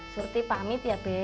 serti pamit ya be